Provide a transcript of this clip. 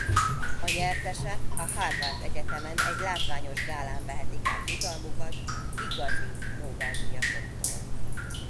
A nyertesek a Harvard Egyetemen egy látványos gálán vehetik át jutalmukat igazi Nobel-díjasoktól.